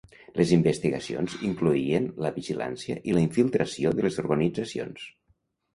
Les investigacions incloïen la vigilància i la infiltració de les organitzacions.